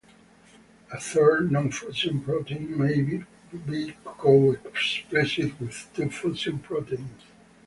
A third, non-fusion protein may be co-expressed with two fusion proteins.